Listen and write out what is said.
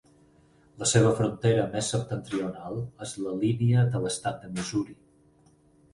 La seva frontera més septentrional és la línia de l'estat de Missouri.